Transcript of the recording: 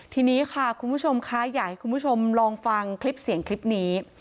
ทีนี้ค่ะคุณผู้ชมคะอยากให้คุณผู้ชมลองฟังคลิปเสียงคลิปนี้